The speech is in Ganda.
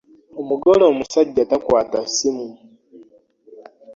Omugole omusajja takwata ssimu.